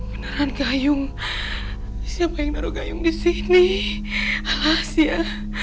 beneran kayu siapa yang nongol kayu disini alas ya